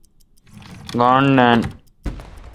گاݨڈ نان۔